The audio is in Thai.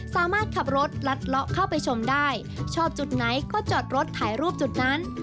สามารถขับรถลัดเลาะเข้าไปชมได้ชอบจุดไหนก็จอดรถถ่ายรูปจุดนั้น